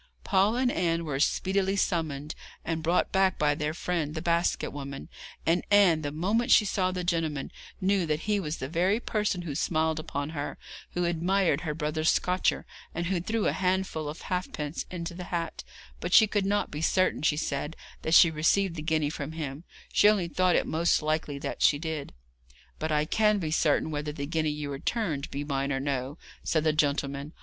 Paul and Anne were speedily summoned, and brought back by their friend the basket woman; and Anne, the moment she saw the gentleman, knew that he was the very person who smiled upon her, who admired her brother's scotcher, and who threw a handful of halfpence into the hat; but she could not be certain, she said, that she received the guinea from him: she only thought it most likely that she did. 'But I can be certain whether the guinea you returned be mine or no,' said the gentleman.